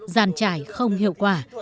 giàn trải không hiệu quả